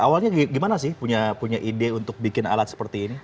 awalnya gimana sih punya ide untuk bikin alat seperti ini